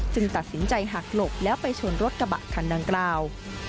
ซึ่งตัดสินใจหักหลบและไปชนรถกระบะทางดังกล่าว